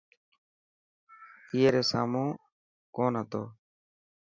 اي ري سامون ڪون هتو.